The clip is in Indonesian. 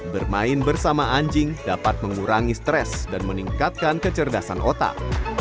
bermain bersama anjing dapat mengurangi stres dan meningkatkan kecerdasan otak